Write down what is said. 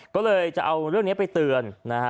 ก็เลยจะเอาเรื่องนี้ไปเตือนนะฮะ